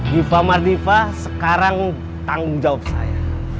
diva mardiva sekarang tanggung jawab saya